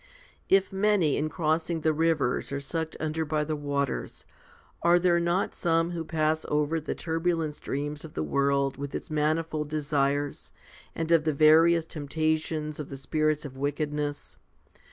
If many in crossing the rivers are sucked under by the waters, are there not some who pass over the turbulent streams of the world with its manifold desires, and of the various temptations of the spirits of wickedness